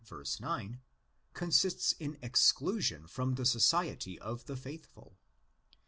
9) consists in exclusion from the society of the faithful.